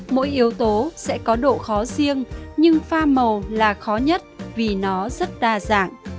mỗi yếu tố sẽ có độ khó riêng nhưng pha màu là khó nhất vì nó rất đa dạng